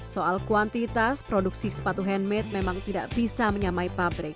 soal kuantitas produksi sepatu handmade memang tidak bisa menyamai pabrik